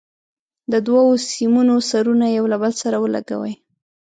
د دوو سیمونو سرونه یو له بل سره ولګوئ.